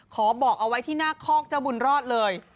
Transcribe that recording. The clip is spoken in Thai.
บอกเอาไว้ที่หน้าคอกเจ้าบุญรอดเลย